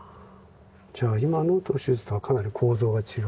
じゃあ今のトゥ・シューズとはかなり構造が違う？